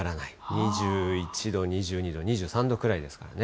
２１度、２２度、２３度くらいですからね。